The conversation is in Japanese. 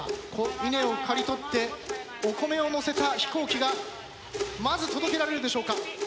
稲を刈り取ってお米を乗せた飛行機がまず届けられるでしょうか。